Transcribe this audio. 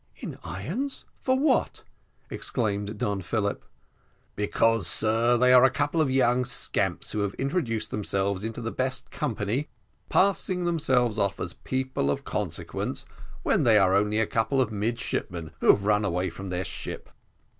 "In irons! for what?" exclaimed Don Philip. "Because, sir, they are a couple of young scamps who have introduced themselves into the best company, passing themselves off as people of consequence, when they are only a couple of midshipmen who have run away from their ship."